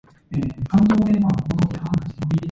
However, legalising abortion remains controversial.